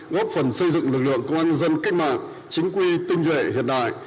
góp phần xây dựng lực lượng công an nhân dân cách mạng chính quy tinh nhuệ hiện đại